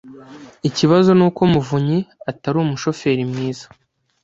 Ikibazo nuko Muvunnyi atari umushoferi mwiza.